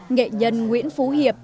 nghệ nhân nguyễn phú hiệp